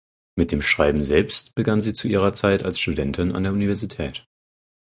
Mit dem Schreiben selbst begann sie zu ihrer Zeit als Studentin an der Universität.